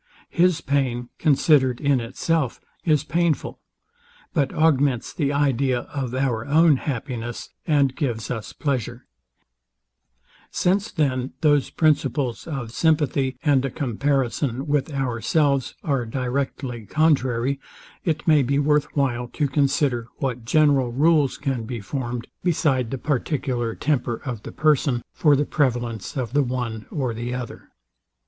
HIS PAIN, CONSIDERED IN ITSELF, IS PAINFUL; BUT AUGMENTS THE IDEA OF OUR OWN HAPPINESS, AND GIVES US PLEASURE. Book II. Part II. Sect. VIII. Since then those principles of sympathy, and a comparison with ourselves, are directly contrary, it may be worth while to consider, what general rules can be formed, beside the particular temper of the person, for the prevalence of the one or the other.